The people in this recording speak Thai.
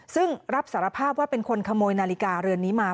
ซึ่งรับสารภาพว่าเป็นคนขโมยนาฬิกาเรือนนี้มา